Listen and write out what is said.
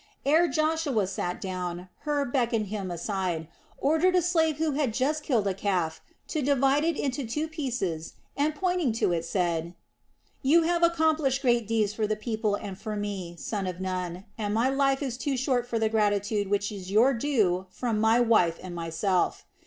Ere Joshua sat down Hur beckoned him aside, ordered a slave who had just killed a calf to divide it into two pieces and pointing to it, said: "You have accomplished great deeds for the people and for me, son of Nun, and my life is too short for the gratitude which is your due from my wife and myself.